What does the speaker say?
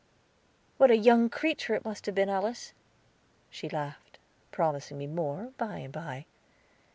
"What a young creature it must have been, Alice!" She laughed, promising me more, by and by.